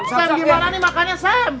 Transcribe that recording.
sam gimana nih makannya sam